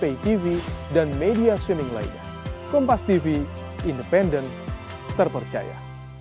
yang pada yang telah berkumpul demi era putih